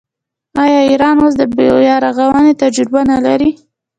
آیا ایران اوس د بیارغونې تجربه نلري؟